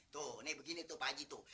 tuh ini begini tuh pak haji tuh